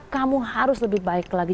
kamu harus lebih baik lagi